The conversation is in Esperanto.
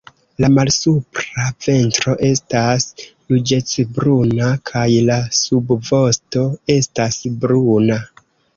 La malsupra ventro estas ruĝecbruna kaj la subvosto estas bruna.